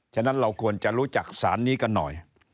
ฉะนั้นเราควรจะรู้จักสารนี้กันหน่อย